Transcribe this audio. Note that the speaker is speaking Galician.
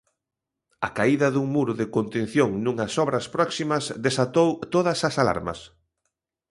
A caída dun muro de contención nunhas obras próximas desatou todas as alarmas.